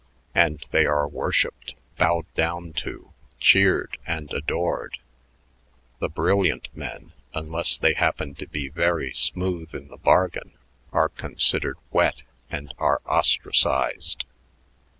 And they are worshiped, bowed down to, cheered, and adored. The brilliant men, unless they happen to be very 'smooth' in the bargain, are considered wet and are ostracized.